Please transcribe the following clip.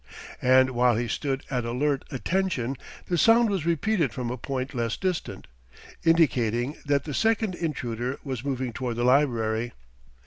And while he stood at alert attention the sound was repeated from a point less distant, indicating that the second intruder was moving toward the library.